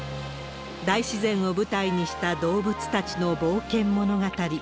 大自然を舞台にした動物たちの冒険物語。